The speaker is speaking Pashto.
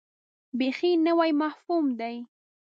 بیخي نوی مفهوم دی.